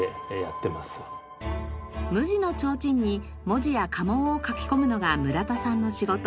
無地の提灯に文字や家紋を描き込むのが村田さんの仕事。